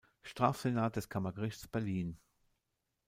Strafsenat des Kammergerichts Berlin.